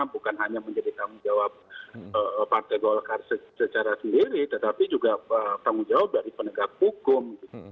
bukan hanya menjadi tanggung jawab partai golkar secara sendiri tetapi juga tanggung jawab dari penegak hukum